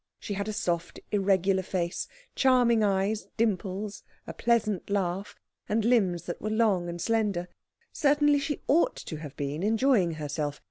She had a soft, irregular face, charming eyes, dimples, a pleasant laugh, and limbs that were long and slender. Certainly she ought to have been enjoying herself.